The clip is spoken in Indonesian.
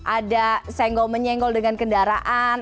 ada senggol menyenggol dengan kendaraan